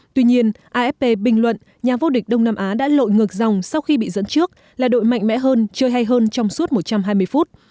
tuy nhiên afp bình luận nhà vô địch đông nam á đã lội ngược dòng sau khi bị dẫn trước là đội mạnh mẽ hơn chơi hay hơn trong suốt một trăm hai mươi phút